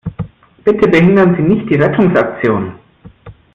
Bitte behindern Sie nicht die Rettungsaktion!